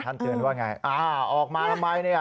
ท่านเตือนว่าอย่างไรออกมาทำไม